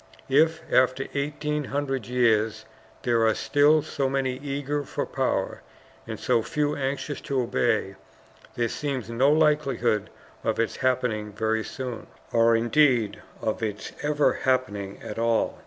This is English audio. If, after eighteen hundred years, there are still so many eager for power, and so few anxious to obey, there seems no likelihood of its happening very soon or indeed of its ever happening at all.